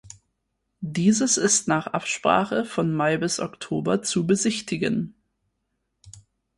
Dieses ist nach Absprache von Mai bis Oktober zu besichtigen.